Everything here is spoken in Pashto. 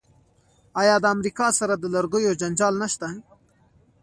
آیا د امریکا سره د لرګیو جنجال نشته؟